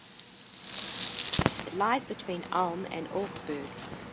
It lies between Ulm and Augsburg.